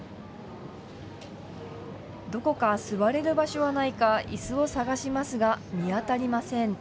どこか座れる場所はないかいすを探しますが、見当たりません。